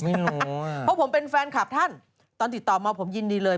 เพราะผมเป็นแฟนคลับท่านตอนติดต่อมาผมยินดีเลย